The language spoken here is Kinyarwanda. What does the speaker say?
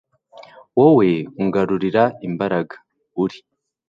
wowe ungarurira imbaraga, uri